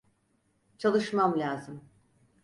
Çalışmam lazım.